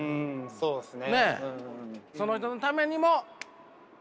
そうですね。